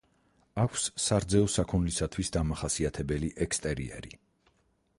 აქვს სარძეო საქონლისათვის დამახასიათებელი ექსტერიერი.